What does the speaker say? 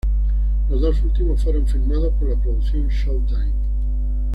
Los dos últimos fueron filmados por las producciones Showtime.